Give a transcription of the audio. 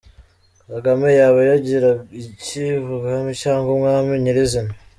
Kagame yaba yangira iki ubwami cyangwa umwami nyir’izina?